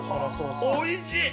おいしい。